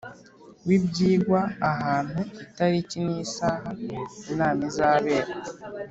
w ibyigwa ahantu itariki n isaha inama izabera